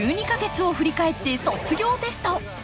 １２か月を振り返って卒業テスト！